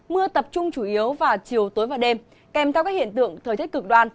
mưa tập trung chủ yếu vào chiều tối và đêm kèm theo các hiện tượng thời tiết cực đoan